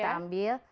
terus kita ambil